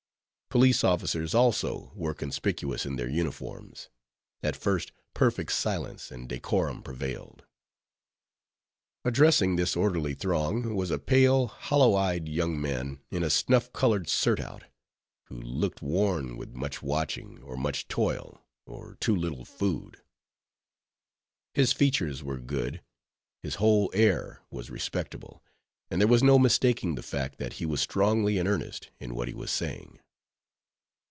Police officers, also, were conspicuous in their uniforms. At first perfect silence and decorum prevailed. Addressing this orderly throng was a pale, hollow eyed young man, in a snuff colored surtout, who looked worn with much watching, or much toil, or too little food. His features were good, his whole air was respectable, and there was no mistaking the fact, that he was strongly in earnest in what he was saying.